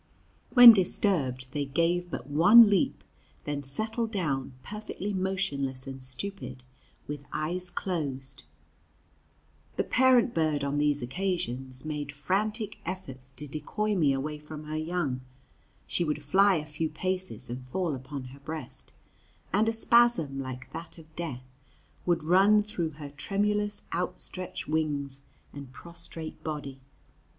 When disturbed, they gave but one leap, then settled down, perfectly motionless and stupid, with eyes closed. The parent bird, on these occasions, made frantic efforts to decoy me away from her young. She would fly a few paces and fall upon her breast, and a spasm, like that of death, would run through her tremulous outstretched wings and prostrate body.